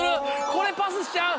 これパスしちゃう？